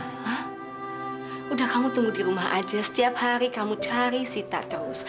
sudah kamu tunggu di rumah aja setiap hari kamu cari sita terus